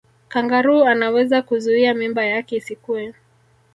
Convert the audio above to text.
kangaroo anaweza kuzuia mimba yake isikue